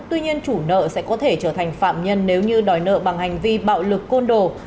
tuy nhiên chủ nợ sẽ có thể trở thành phạm nhân nếu như đòi nợ bằng hành vi bạo lực côn đồ